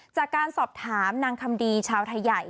จากการสอบถามนางคำดีชาวไทยใหญ่